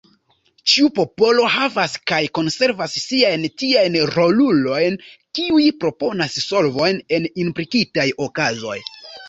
Ĉiu popolo havas kaj konservas siajn tiajn rolulojn kiuj proponas solvojn en implikitaj okazoj.